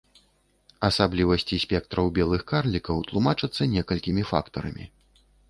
Асаблівасці спектраў белых карлікаў тлумачацца некалькімі фактарамі.